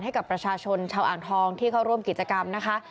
ให้กับประชาชนชาวอ่างทองที่เข้าร่วมกิจกรรมนะคะ